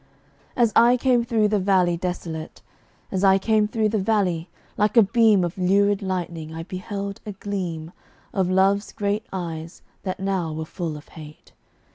As I came through the valley desolate, As I came through the valley, like a beam Of lurid lightning I beheld a gleam Of Love's great eyes that now were full of hate.